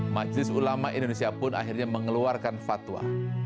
majelis ulama indonesia pun akhirnya mengeluarkan fatwa